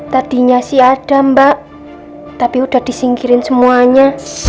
tadinya sih ada mbak tapi udah disingkirin semuanya